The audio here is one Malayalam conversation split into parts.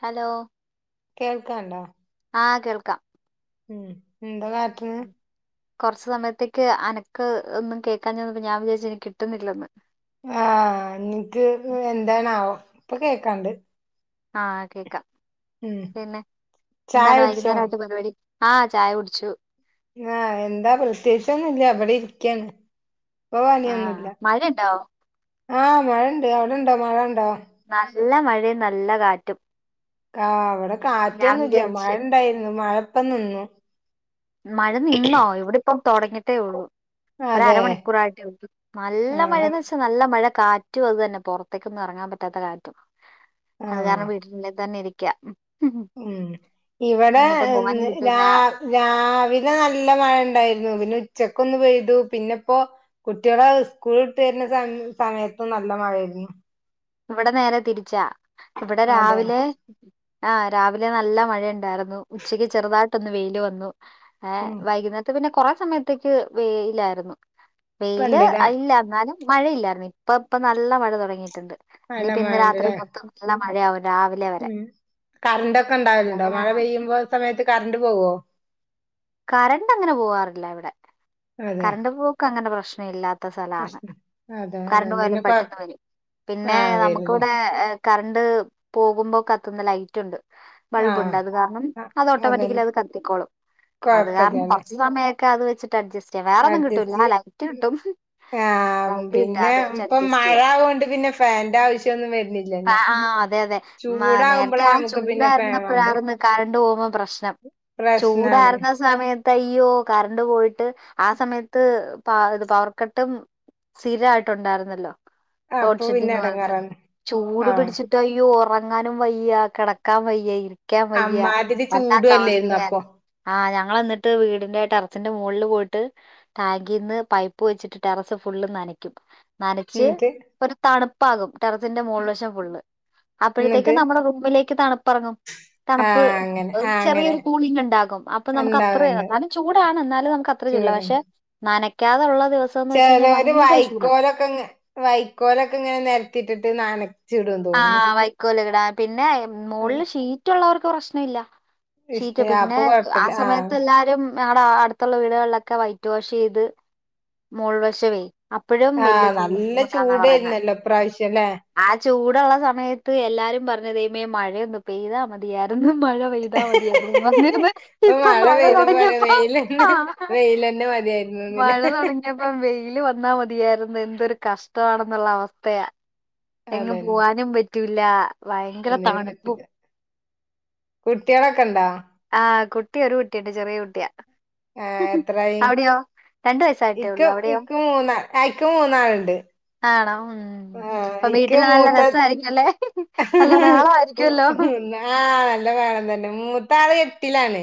ഹലോ കേൾക്കാണ്ടോ ആഹ് കേൾക്കാം ഉം എന്താ കാട്ട്ന്ന് കൊറച്ച് സമയത്തേക്ക് അനക്ക് ഒന്നും കേക്കാൻഞന്നപ്പോ ഞാൻ വിചാരിച്ച് ഇനി കിട്ടുന്നില്ലെന്ന് ആഹ് എനിക്ക് എന്തണാവോ ഇപ്പൊ കേക്കാണ്ട് ആഹ് കേക്കാം ഉം പിന്നെ ചായ എന്താണ് കുടിച്ചോ വൈകുന്നേരം ആയിട്ട് പരുപാടി ആഹ് ചായ കുടിച്ചു ആഹ് എന്താ പ്രത്യേകിച്ചൊന്നില്ല ഇവിടെ ഇരിക്കാണ് ഇപ്പൊ ആഹ് പണിയൊന്നുല്ല മഴ ഇണ്ടാവോ ആഹ് മഴയണ്ട് അവിടെണ്ടോ മഴ ഉണ്ടോ നല്ല മഴയും നല്ല കാറ്റും ആ അവിടെ ഞാൻ കാറ്റൊന്നുംല്ല മഴ വിചാരിച്ച് ഇണ്ടായിരുന്നു മഴ ഇപ്പ നിന്നു മഴ നിന്നോ ഇവിടെപ്പം തുടങ്ങിട്ടേ ഉള്ളൂ ഒരു അതെ അരമണിക്കൂറായിട്ടേ ഉു നല്ല ആഹ് മഴന്ന് വെച്ചാൽ നല്ല മഴ കാറ്റും അത് തന്നെ പുറത്തേക്കൊന്നും ഇറങ്ങാൻ പറ്റാത്ത കാറ്റും അത് ആഹ് കാരണം വീട്ട തന്നെ ഇരിക്ക [unintelligible] ഉം ഇവിടെ എങ്ങോട്ടും പോകാനും രാ പറ്റൂല രാ ന നല്ല മഴ ഉണ്ടായിരുന്നു പിന്നെ ഉച്ചക്ക്ന്നന്ന് പെയ്തു പിന്നെ ഇപ്പോ കുട്ടികളെ സ്കൂൾ് സമയത്ത് നല്ല മഴായിരുന്നു ഇവിടെ നേരെ തിരിച്ചാ ഇവിടെ അതെ രാവിലെ ആ് രാവിലെ നല്ല മഴയ ഉണ്ടായിരുന്നു ഉച്ചയ്ക്ക് ചെറുതായിട്ടൊന്ന് വെയിയില് വന്നു ഏ ഉം വൈകുന്നേത്തെ പിന്നെ കൊറെ സമയത്തേക്ക് വേയിലായിരുന്നു വെയില് ഇപ്പണ്ട്ല്ലേ അല്ല എന്നാലും മഴയില്ലായിരുന്നു ഇപ്പ ഇപ്പ നല്ല മഴ തുടങ്ങിയിട്ടുണ്ട് നല്ല ഇനി പി ഇന്നന്ന് രാത്രി മഴണ്ട്ല്ലേ മൊത്തംല്ല ഉം കറണ്ട്ക്കെ ഉണ്ടാവലണ്ടോ മഴ മഴയാണ് പെയ്യുമ്പോ സമയത്ത് കറണ്ട് പോവോ കറണ്ട് അങ്ങനെ പോവാാറില്ല ഇവിടെ അതെ കറണ്ട് പോക്ക് അങ്ങനെ പ്രശ്നം ഇല്ലാത്ത ഇ സ്ഥലാണ് പ്രശ്നം അതെ കണ്ട് അതോണ്ട് പോലും പിന്നെ കൊഴ പെട്ടെന്ന് വരും പിന്നെ ആഹ് നമുക്ക വരൂല്ലേ ഇവിടെ കറണ്ട് പോകുമ്പോക്കെ കത്ത്ന്ന് ലൈറ്റ് ഉണ്ട് ആഹ് ബൾബ്ണ്ട് അത് കാരണം അത് അതോണ്ട് ഓട്ടോമാറ്റിക്കലി അത് കത്തിക്കോളും അത് കാരണം കൊഴപ്പല്ലല്ലേ കുറച്ച് സമയ അത് വച്ചട്ട് അഡ്ജസ്റ്റ് ചെയ്യ വേറെന്നും അഡ്ജസ്റ്റ് കിട്ടൂല്ല ലൈറ്റ് ചെയ്യ കിട്ടും ആഹ് ലൈറ്റ് കിട്ടുക പിന്നെ അത് കഴ ഇപ്പം അഡ്ജസ്റ്റ് മഴ ചെയ്യ ആവോണ്ട് പിന്നെ ഫാന്റെ ആവശ്യൊന്നും ആ വരുന്നില്ലല്ലോ ആ അതെ അതെ മ നേരത്തെ ചൂടാകുമ്പളാ ആ നമുക്ക് പിന്നെ ഫാൻ വാണ്ടേ ചൂടായിരുന്ന കറണ്ട് പോകുന്ന പ്രശ്നാണ് പ്രശ്നംചുടായിരുന്നസമയത്ത് സമയത്ത് അയ്യോ കറണ്ട് പോയിട്ട് ആ സമയത്ത് പ ഇത് പവർ കട്ടും സ്ഥീര ആയിട്ടുണ്ടായിരുന്നല്ലോ. അപ്പൊ ലോഡ് പിന്നെ ഷെഡിങ്ങ് പോലത്തെ എടങ്ങേറാണ് ചൂട് ആഹ് പിടിച്ചിട്ട് അയ്യോ ഒറക്ക റങ്ങാനും വയ്യ, കിടക്കാൻ വയ്യ, ഇരിക്കാൻ വയ്യ, അമ്മാതിരി വല്ലാത്ത ചൂടും അല്ലേരുന്നോ അപ്പൊ അവസ്ഥയായി. ആ ഞങ്ങൾ എന്നിട്ട് വീടിന്റെ ടെറസിന്റെ മുകളിൽ പോയിട്ട് ടാങ്കിന്ന് പൈപ്പ് വച്ചിട്ട് ടെറസ് ഫു ള് നനക്കും നനച്ച് ഇന്നിട്ട് ഒരു തണുപ്പാകും ടെറസിന്റെ മൂള് വശം ഫുള്ള്. ഇന്നിട്ട് അപ്പോഴത്തേക്കും നമ്മുടെ റൂമിലേക്ക് തണുപ്പറങ്ങും. തണുപ്പ് ആഹ് അങ്ങനെ ആഹ് അങ്ങനെ ചെറിയൊരു കൂളിംഗ് ഉണ്ടാകും. അപ്പൊ നമുക്ക് അത്രയും ഇണ്ടാവ്ണ്ട് അന്നാലും ചൂടാണ് എന്നാലും നമുക്ക് അത്രയും ചൂട പക്ഷെ നനക്കാതുള്ള ചിലോര് വൈക്കോലൊക്കെ ഇ വൈക്കോലൊക്കെ ഇങ്ങനെ നിരത്തിട്ടിട്ട് നന ആഹ് വൈക്കോല ഇടാ പിന്നെ മുകളില് അങ്ങ- ഷീറ്റ ഉള്ളവർക്ക് പ്രശ്നം ഇല്ല. ഇഷ്ട ഷീറ്റ് അപ്പൊ പിന്നെ ആ കൊഴപ്പല്ല ആഹ് സമയത്ത് എല്ലാരും. ഞങ്ങളടെ അടുത്തുള്ള വീടുകളിലൊക്കെ വൈറ്റ് വാഷ് ചെയ്ത് മോളുവശവേ. അപ്പോഴും ആഹ് വലിയ ചൂട് നല്ല ഒന്നുയില്ലെന്നാ പറയുന്നെ ചൂടേരുന്നല്ലോ ഇപ്രാവശ്യം ല്ലേ ആ ചൂടുള്ള സമയത്ത് എല്ലാരും പറഞ്ഞതേ ദൈവമേ മഴയൊന്ന് പെയ്താ മതിയാരുന്നു. മഴ പെയ്താൽ മതിയായിരുന്നു വന്നിരന്ന് ഇപ്പൊ മഴ പെയ്ത പോലെ തുടങ്ങിയപ്പോ. വെയിലന്നെ വെയിലന്നെ മതിയായിരുന്നുന്നില്ലേ മഴ തുടങ്ങിയപ്പ വെയില് വന്നാ വന്നാ മതിയായിരുന്നു എന്തൊരു കഷ്ടമാണെന്നുള്ള അവസ്ഥയാ എങ്ങും അതന്നെ പോവാനും പറ്റു ഇല്ല. ഭയങ്കര ഒന്നിനും തണുപ്പും പറ്റില്ല കുട്ടികളൊക്കെ ഇണ്ടാ ആഹ് കു കുട്ടി ഒരു കുട്ടിയുണ്ട് ചെറിയ കുട്ടിയാ. ഏ എത്രായി അവിടെയോ രണ്ട് വയസ്സായിട്ടേ ഇക്ക ഉള്ളൂ അവിടെയോ ഇക്ക് മൂന്ന്‌. അയിക്ക് മൂന്നാളുണ്ട്. ആണോ ഉം ആഹ് അപ്പൊ ഇക്ക് വീട്ടില് നല്ല മൂത്ത രസായിരിക്കും അല്ലേ ആ നല്ല ബഹളമായിരിക്കുവല്ലോ ആ. ആ നല്ല വേണം തന്നെ മൂത്താള് എട്ടിലാണ്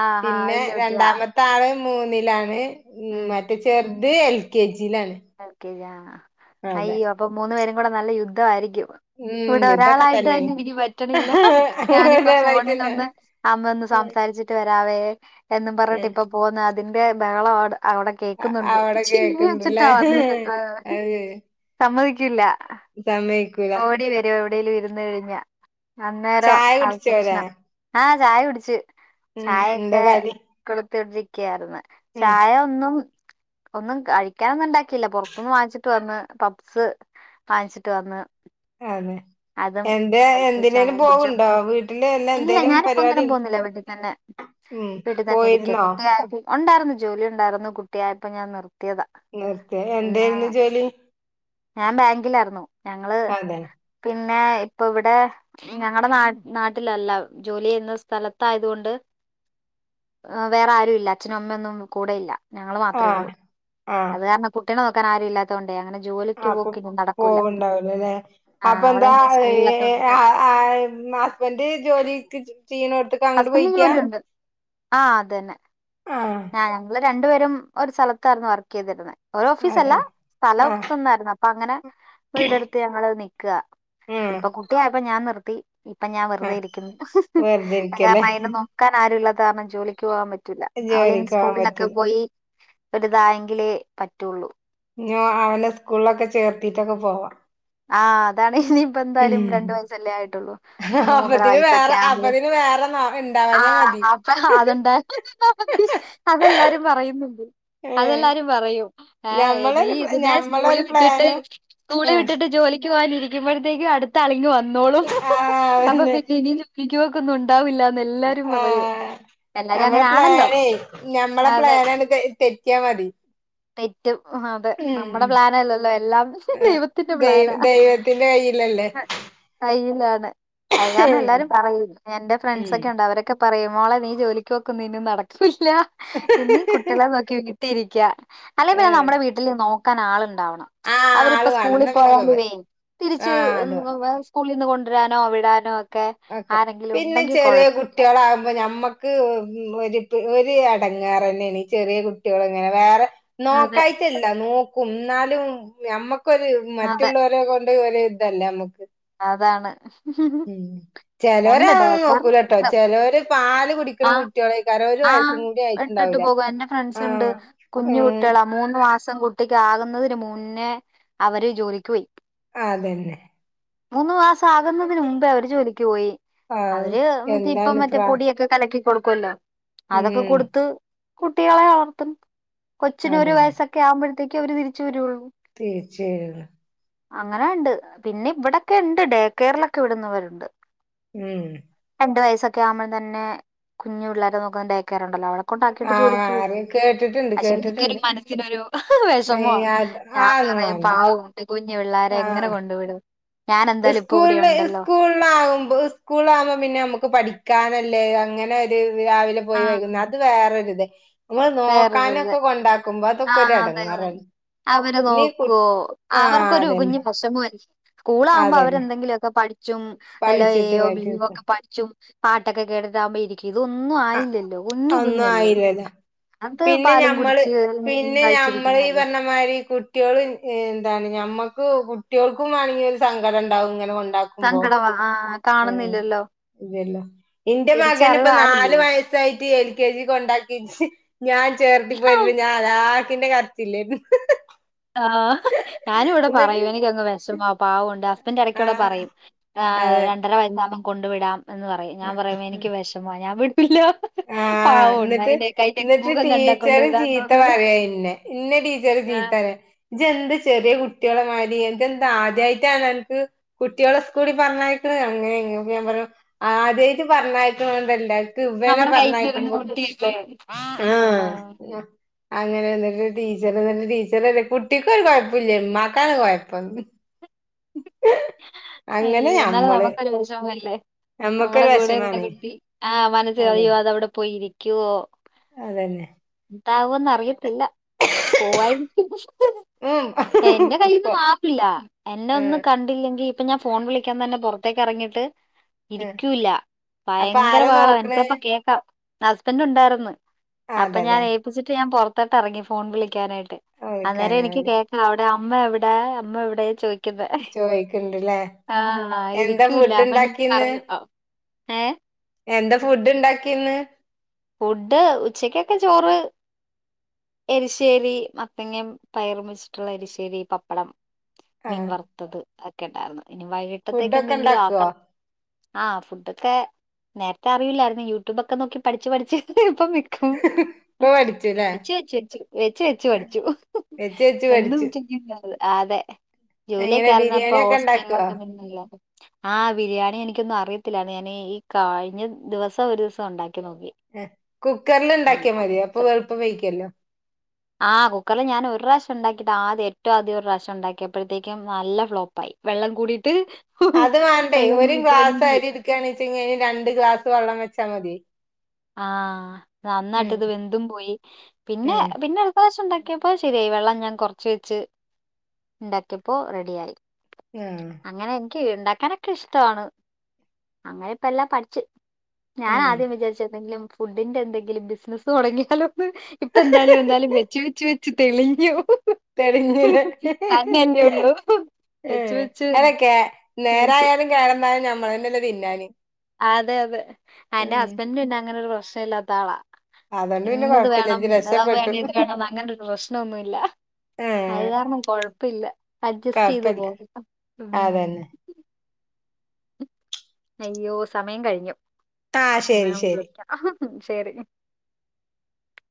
ആഹ് ആഹ് പിന്നെ വല്യ കുട്ടിയാ രണ്ടാമത്തെ ആള്. മൂന്നിലാണ്, മറ്റേ ചെറുത് L K G. Okay yeah അതെ അയ്യോ അപ്പൊ മൂന്നു പേരും കൂടെ നല്ല യുദ്ധ ആയിരിക്കും. ഉം ഇവിടെ ഇതൊക്കെ ഒരാളായിട്ട് തന്നെ ഇനി പറ്റണില്ല ഞാനിപ്പ അതായിട്ട് തന്നെ ഫോണിലൊന്ന് അമ്മന്ന്- ഏഹ് സംസാരിച്ചിട്ട് വരവേ എന്നും പറഞ്ഞിട്ട് ഏഹ് ഇപ്പ പോന്നതാ അതിന്റെ ബഹളാ അവിടെ. അവിടെ അ- കേക്കുന്നുണ്ട് അവിടെ ടിവി കേക്കണ്ടല്ലേ വെച്ചിട്ടാ വന്നത് അത് സമ്മതിക്കില്ല. സമയിക്കൂല. ഇവിടേലും ഇരുന്ന് കഴിഞ്ഞ അന്നേരം ചായ ആക്ക് കുടിച്ചോരാ കൃഷണാ, ആഹ് ചായ കുടിച്ചു. ഉം എന്താ ചായൊക്കെ കടി കൊളത്തിട്ടിരിക്കയായിന്ന് ഉം ചായ ഒന്നും. ഒന്നും കഴിക്കാനൊന്നും ഇണ്ടാക്കിയില്ല പുറത്തൊന്ന് വാങ്ങിച്ചിട്ട് വന്ന് പബ്സ് വാങ്ങിച്ചിട്ട് വന്ന്. അതെ. അതും എന്താ കഴിച്ചു എന്തിനേലും ചായേ കുടിച്ചും, പോവുണ്ടോ വീട്ടില് അല്ല ഇല്ല എന്തേലും ഞാനിപ്പ പരിപാടി ഒന്നിനും ഉണ്ടോ? പോകുന്നില്ലേ വീട്ടിൽ തന്നെ. ഉം വീട്ടി തന്നെ ഇരിക്കാ പോയിരുന്നോ ഉണ്ടായിരുന്നു ജോലി ഉണ്ടായിരുന്നു കുട്ടിയായപ്പോ ഞാൻ നിർ നിർത്തിയോ എന്തായിരുന്നു ജോലി? ഞാൻ ബാങ്കിലായിരുന്നു, ഞങ്ങള് പി അതെ പിന്നെ ഇപ്പ ഇവിടെ ഞങ്ങളുടെ ന നാട്ടിലല്ല ജോലി ചെയ്യുന്ന സ്ഥലത്തയതുകൊണ്ട്. ആ വേറെ ആരും ഇല്ല അച്ഛനും അമ്മയും ഒന്നും കൂടെയില്ല. ഞങ്ങള് മാത്രമേ ഉള്ളൂ ആഹ് ആഹ് അത് കാരണം കുട്ടിനെ നോക്കാൻ ആരും ഇല്ലാത്ത കൊണ്ടേ അങ്ങനെ ജോലി. പ്പ പോവണ്ടാവലില്ല അല്ലെ ആ അപ്പൊ അവളെ എന്താ. എന്നെ സ്കൂളിലൊക്കെ വിട്ടിട്ട് [unintelligible] ഹസ്ബൻഡ് ജോലിക്ക് ചെയ് ണോടത്തൊക്ക് അങ്ങോട്ട് പോയിക്കാ? ആഹ് അതന്നെ. ആഹ്. രണ്ടുപേരും ഒരു സ്ഥലത്തായിരുന്നു വർക്ക് ചെയ്തിരുന്നത്. ഒരു അതെ ഓഫീസല്ല ആഹ് സ്ഥലംത്തന്നായിരുന്നു അപ്പൊ അങ്ങനെ വീടെടുത്ത് ഞങ്ങള് നിൽക്കാ. ആഹ് ഇപ്പൊ കുട്ടിയായപ്പോ ഞാൻ നിർത്ത ത്തി ഇപ്പൊ ഞാൻ വെറുതെ ആഹ് ഇരിക്കുന്നു വെറുതെ ഇരിക്കല്ലേ കാരണം അതിന് നോക്കാൻ ആരുല്ല ത്താ കാരണം ജോലിക്ക് പോവാൻ പറ്റും. അവളി ജോലിക്ക് പോകാൻ സ്കൂളിലൊക്കെ പറ്റില്ല പോയി ഒരുതായെങ്കിലേ പറ്റുള്ള അവന സ്കൂളിലൊക്കെ ചേർത്തിട്ടൊക്കെ പോവാൻ ആ അതാണ് ഇനിയിപ്പോ എന്തായാലും രണ്ടു വയസ്സല്ലേ ആയിട്ടുള്ളൂ മൂന്ന് മൂന്നര അപ്പത്തിന് വയസ്സൊക്കെ വേറെ ആകു അപ്പത്തിന് വേറെ ആ ഇണ്ടാവാഞ്ഞാ മതി അപ്പ അതുണ്ട് അതെല്ലാരും പറയുന്നുണ്ട്. ഏഹ് അതെല്ലാരും പറയും ഏ നീ ഞമ്മളൊരു പ്ല- ഇതിനെ സ്കൂളിൽ ഞമ്മളൊരു വിട്ടിട്ട് പ്ലാനും സ്കൂളിൽ വിട്ടിട്ട് ജോ ലിക്ക് പോകാനിരിക്കുമ്പഴത്തേക്ക അടുത്ത ആളിങ് വന്നോളും ഹ്ഹ് അപ്പോ ആഹ് പിന്നെ ഇനി ജോലിക്ക് പോക്ക് തൊന്നും ഉണ്ടാവില്ലന്ന് എല്ലാരും പറയും. എല്ലാരും നമ്മളെ അങ്ങനെ ആണല്ലോ. പ്ലാനേ നഞമ്മളെ അതെ പ്ലാനണ് തെറ്റാ മതി തെറ്റും അതെ ഉം നമ്മുടെ പ്ലാനല്ലല്ലോ എല്ലാം ഏ, ദൈവ വത്തിന്റെ ദൈവ പ്ലാനാ ദൈവത്തിന്റെ കയ്യിലല്ലേ കയ്യിലാണ് അത് കാരണം എല്ലാരും പറയും എന്റെ ഫ്രണ്ട്സ് ഉം ഒക്കെ ഉണ്ട് അവരൊക്കെ പറ പറയും മോളെ നീ ജോലിക്ക് നോക്കും ഇന്നും നടക്കില്ല ഇ കുട്ടികളെ നോക്കി വിട്ടിരിക്ക അല്ലെ പിന്നെ ഏഹ് നമ്മുടെ വീട്ടിൽ നോക്കാൻ ആളുണ്ടാവണം ആഹ് അവരിപ്പ ആള് സ് വേണം സ്കൂളിൽ എന്നാ പിന്നെ കൊ പോയലുമേ തിരിച്ച് ആഹ് അത് സ്കൂളിൽ നിന്ന് കൊണ്ടുവരാനോ വിടാനോ ഒക്കെ ക്കെ ആരെങ്കിലും പിന്നെ ഉണ്ടെങ്കി ചെറിയ കൊഴപ്പ കുട്ടികളാകുമ്പോ ഞമ്മ ക്ക് ഒരു അടങ്ങാർ തന്നെയണ ചെറിയ കുട്ടികൾ ഇങ്ങനെ വേറെ അതെ നോക്കായിട്ടല്ല നോക്കും എന്നാലും നമ്മക്കൊരു അതെ മറ്റുള്ളവരെ ണ്ട് ഒരിതല്ലേ നമുക്ക് അതാണ് മ് ഉണ്ട് ഡേ ചിലരാന്നും കറ നോക്കൂല കേട്ടോ ചിലര് പാല് കുടിക്കണ ആ കുട്ടികളെക്കാരം ഒരു ആഹ് വയസ്സും കൂടി ഇട്ടിട്ട് ആയിട്ടുണ്ടാവൂല പോക എന്റെ ഫ്രണ്ട്സ് ഉണ്ട് ആഹ് കുഞ്ഞു ഉം കുട്ടികളാ മൂന്ന് മാസം കുട്ടിക്ക് ആകുന്നതിന് മുന്നേ അവര് ജോലിക്ക് പോയി ആ അതന്നെ മൂന്നു മാസം ആകുന്നതിന് മുമ്പേ അവര് ജോലിക്ക് പോയി ആഹ് അവര് മറ്റേ ഇപ്പ എന്താണ് മറ്റേ പ്രാ പൊടിയൊക്കെ ഉണ്ടാക്കി കൊടുക്കുമല്ലോ അതൊക്കെ ഉം കൊടുത്ത് കുട്ടികളെ വളർത്തും കൊച്ചിന് ഒരു വയസ്സൊക്കെ ആവുമ്പോഴത്തേക്ക് അവര് തിരിച്ചു വരുള്ളൂ തീർച്ചയായും അങ്ങനെ ഉണ്ട് പിന്നെ ഇവിടെക്കെ ഇണ്ട് ഡേ കേയറിലൊക്കെ വിടുന്നവരുണ്ട് ഉം രണ്ട് വയസക്കെ ആകുമ്പ തന്നെ കുഞ്ഞു പിള്ളേരെ നോക്കുന്ന ഡേക്കാറുണ്ടല്ലോ അവടെ കൊണ്ടാക്കിട്ട് ജോലിക്ക പോകും ആഹ് കേട്ടിട്ടുണ്ട് അത് എനിക്കൊരു കേട്ടിട്ടുണ്ട് മനസ്സിനൊരു വിഷമവ ഞാൻ പറയും അതൊന്നും പറയും വേണ്ട പാവം കൂട്ടി കുഞ്ഞു പിള്ളോര എങ്ങനെ കൊണ്ടു വിടും ഞാൻ എന്തായാലും ഇപ്പൊ ഇവിടെ സ്കൂള് ഉണ്ടല്ലോ സ്കൂള്ആകുമ്പോ സ്കൂള ആകുമ്പോ പിന്നെ നമുക്ക് പഠിക്കാന ല്ലേ അങ്ങനെ ഒരു രാവിലെ പോയി ആഹ് വൈകുന്നേരം അത് വേറൊരു ഇത് നമ്മള് വേറൊരിത് നോക്കാനൊക്കെ കൊണ്ടാക്കുമ്പോ അതൊക്കെ ഒരു ആഹ് അതെ അതെ ഇടങ്ങാറാണ് അവര് നോക്കുവോ അവർക്കൊരു അതന്നെ കുഞ്ഞു വിഷമമായിരിക്കും സ്കൂള ആകുമ്പോ അതന്നെ അവരെന്തെങ്കിലുമൊക്കെ പഠിച്ചും അല്ല പഠിച്ചിട്ട് എയോ ബി മാറ്റി ഒക്കെ പഠിച്ചും പാട്ടൊക്കെ കേട്ടിട്ടാകുമ്പോ ഇരിക്കും ഇതൊന്നും ആയില്ലല്ലോ കുഞ്ഞ് ഒന്നും കുഞ്ഞല്ലേ ആയില്ലല്ലോ അത് പിന്നെ പാലും ഞമ്മള് കുടിച്ച് അല്ലെങ്കിൽ എന്തെങ്കിലും പിന്നെ ഞമ്മള് ഈ കഴിച്ചിരിക്കുന്നല്ലേ പറഞ്ഞമാതിരി കുട്ടികൾ എന്താണ് നമുക്ക് കുട്ടികൾക്കും വേണമെങ്കിൽ ഒരു സങ്കടം ഉണ്ടാവുമിങ്ങനെ കൊ സങ്കടവാ ആ കാണുന്നില്ലല്ലോ എന്റെ മകൻ ഇപ്പ നാലു തിരിച്ചറിവായില്ലല്ലോ വയസ്സായിട്ട് എൽ കെ ജി കൊണ്ടാക്കി ഞ ഞാൻ ചേർത്തി പോയിരുന്നു ഞാൻ അലാക്കിന്റെ കരച്ചിലാരുന്ന് ഹ്ഹ ആഹ് ഞാനും ഇവിടെ പറയൂ എനിക്കങ്ങ് വിഷമാ പാവുണ്ട് ഹസ്ബന്റ് ഇടയ്ക്കോടെ ആഹ് പറയും അതെ രണ്ടര വയസ്സാവകുമ്പം കൊണ്ടു വിടാം എന്ന് പറയും ഞാൻ പറയും ആ എനിക്ക് വിഷമ ഞാൻ വി ല്ല ആഹ് പാവമുണ്ട് എന്നിട്ട് അയിന്റെ അയിന്റെയൊക്കെ എന്നിട്ട് മുഖം കണ്ട കൊണ്ട് ടീച്ചറ് വിടാന്ന് ചീത്ത തോന്നുമോന്ന് പറയാ ടീച്ചറ് ചീത്ത പറയും ഇയ്യ് എന്താ ചെറിയ കുട്ടികളെ മാതിരി നിനക്കെന്ത ആദ്യമായിട്ടാണ് അനക്ക് കുട്ടികളെ സ്കൂളിൽ പറഞ്ഞയക്ക അങ്ങനെ ഞാൻ പറയും ആദ്യമായിട്ട് പറഞ്ഞയക്കണ കൊണ്ടല്ലേ എന്ക്ക് ഇവനെ നമ്മുടെ കയ്യിലിരുന്ന കുട്ടിയല്ലേ പറഞ്ഞയക്കുമ്പേത്തേന് ആഹ് ആ അങ്ങനെൊന്നല്ല ടീച്ചർ എന്നിട്ട് ടീച്ചർ പറയ കുട്ടിക്ക് ഒരു കുഴപ്പില്ല ഉമമാക്കാണ് കുഴപ്പന്ന് അയ്യോ എന്നാലേ ഞമ്മള് നമുക്കൊരു വിഷമമല്ലേ നമ്മടെ ഞമ്മക്കൊരു കൂടെയുള്ള വെഷമാണേ കുട്ടി ആ മനസ് പറയാ അതന്നെ അതവിടെ പോയി ഇരിക്കുവോ അതന്നെ എന്താവോന്ന് അറിയത്തില്ല പോവായിരിക്കും ഉം എന്റെ കയ്ൽന്ന് പൊ മാപ്പില്ല എന്നെ ഒന്ന് ഏഹ് കണ്ട എങ്കിൽ ഞാൻ ഫോൺ വിളിക്കാൻ തന്നെ പുറത്തേക്ക് ഇറങ്ങിട്ട് ആ ഇരിക്കൂല്ല അപ്പൊ ഭയങ്കര ആരാ ബഹളം നോക്കണേ എനിക്കപ്പ കേക്കാം ഹസ്ബൻഡ് ഉണ്ടായിരുന്നു ആ അപ്പൊ ഞാൻ അതല്ലേ ഏൽപ്പിച്ചിട്ട് ഞാൻ പുറത്തോട്ട് ഇറങ്ങി ഫോൺ വിളിക്കാനായിട്ട് അന്നേരം വിളിക്കാന് എനിക്ക് വേണ്ടി കേൾക്കാം എവിടെ അമ്മ എവിടെ അമ്മ എവിടെയ ചോദിക്കുന്ന ഉണ്ടല്ലേ എന്താ ഫുഡ് അപ്പൊ ഞാൻ ഇണ്ടാക്കിയിന്ന് പറയും ഏഹ് എന്താ ഫുഡ് ഉണ്ടാക്കിയിന്ന് ഫുഡ് ഉച്ചക്കൊക്കെ ചോറ് എരിശ്ശേരി മത്തങ്ങ പയർ വെച്ചിട്ടുള്ള എരിശ്ശേരി പപ്പടം ആ മീൻ വറുത്തത് ഒക്കെ ഉണ്ടായിരുന്നു ഇനി വൈകിട്ടത്തേക്ക് ഫുഡൊക്കെ എന്തെങ്കിലും ഇണ്ടാക്കോ ആക്കണം ആഹ് ഫുഡ് ഒക്കെ നേരത്തെ അറിയൂല്ലായിരുന്നു യൂട്യൂബൊക്കെ നോക്കി പഠിച്ച് പഠിച്ച് ഇപ്പ വെക്കും ഇപ്പൊ പഠിച്ചുല്ലേ വെച്ചു വെച്ചു വെച്ച് വെച്ചു പഠിച്ചു വെച്ച് വെച്ച് ഒന്നും പഠിച്ചു ചെയ്യുന്നല്ലാതെ ആ അതെ എങ്ങനെ ജോലിയൊക്കെ ബിരിയാണി ആരുന്നപ്പം ഒക്കെ ഇണ്ടാക്കോ ഹോസ്റ്റലിലൊക്കെ നിന്നല്ല ആ ബിരിയാണി എനിക്കൊന്നും അറിയത്തില്ല ഞാൻ ഈ കഴിഞ്ഞ ദിവസം ഒരു ദിവസം ഉണ്ടാക്കി നോക്കി കുക്കറൽ ആ ഉണ്ടാക്കിയാ മതിയോ അപ്പൊ എളുപ്പം വേവിക്കല്ലോ ആഹ് കുക്കറിൽ ഞാൻ ഒരു പ്രാവിശ്യ ഉണ്ടാക്കിട്ട് ആദ്യം ഏറ്റവും ആദ്യ ഒരു പ്രാവശം ഉണ്ടാക്കിയപ്പോഴത്തേക്കും നല്ല ഫ്ലോപ്പായി വെള്ളം കൂടിയിട്ട് അത് വേണ്ടേ വെള്ളം ഒരു കൂടിയിട്ട് വെന്ത് ഗ്ലാസ് പോയി അരി എടുക്കണ വെച്ചന് രണ്ട് ഗ്ലാസ് വെള്ളം വെച്ചാൽ മതി ആഹ നന്നായിട്ട് ഉം ഇത് വെന്തും പോയി പിന്നെ ഉം പിന്നെ അടു പ്രാവശ്യം ഉണ്ടാക്കി ക്കപ്പോ ശരിയായി വെള്ളം ഞാൻ കുറച്ച് വെച്ച് ഉണ്ടാക്കിയപ്പോ റെഡിയായി ആഹ കീഴണ്ടാക്കാനൊക്കെ ഇഷ്ടാണ് അങ്ങനെ ഇപ്പ എല്ലാം പഠിച്ചു ഞാൻ ഉം ആദ്യം വിചാരിച്ച എന്തെങ്കിലും ഫുഡിന്റെ എന്തെങ്കിലും ബിസിനസ്സ് തുടങ്ങിയാലോ ഇപ്പ എന്താലും എന്തായാലും വെച്ച് വെച്ച് വെച്ച് തെളിഞ്ഞു തരിഞ്ഞില്ല തന്നെയല്ലേ ഉള്ളൂ ഉ വെച്ച് വെച്ച് അതൊക്കെ മേടിച്ച് നേരായാലും കേടന്നാലും ഞമ്മളന്നല്ലേ തിന്നാന് അതെ അതെ അന്റെ ഉം ഹസ്ബന്ഡ പിന്നെ അങ്ങനെ ഒരു പ്രശ്ന ഇല്ലാത്ത ആളാ അതോണ്ട് പിന്നെ ഇങ്ങത് കൊഴപ്പില്ല വേണം ഇജ്ജ് രക്ഷപ്പെട്ടു വേണം ഇത് വേണം അങ്ങനരു പ്രശ്നം ഒന്നുല്ല ഏഹ് അത്കാരണം കൊഴപ്പില്ല അഡ്ജസ്റ്റ് ചെയ്ത് കൊഴപ്പില്ല പോകും അതന്നെ അയ്യോ സമയം കഴിഞ്ഞു ആഹ് ശരി ശരി ന്നാവിളിക്കാം ഉം ശരി